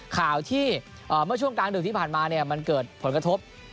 ข่าวที่เมื่อช่วงกลางดึกที่ผ่านมาเนี่ยมันเกิดผลกระทบ